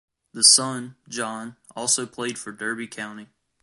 The son, John, also played for Derby County.